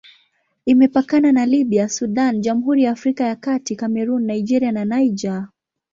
Imepakana na Libya, Sudan, Jamhuri ya Afrika ya Kati, Kamerun, Nigeria na Niger.